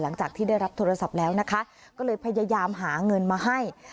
หลังจากที่ได้รับโทรศัพท์แล้วนะคะก็เลยพยายามหาเงินมาให้